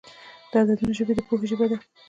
د عددونو ژبه د پوهې ژبه ده.